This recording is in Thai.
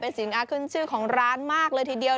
สินค้าขึ้นชื่อของร้านมากเลยทีเดียว